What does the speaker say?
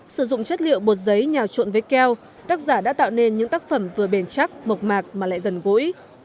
sử dụng chất liệu bột giấy nhào trộn với keo tác giả đã tạo nên những tác phẩm vừa bền chắc mộc mạc mà lại gần gũi